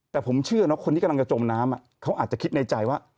แต่ผมเชื่อนะคนที่กำลังจะจมน้ำเขาอาจจะคิดในใจว่า